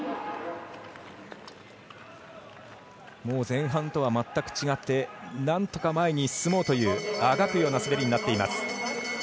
もう前半とは全く違ってなんとか前に進もうというあがくような滑りになっています。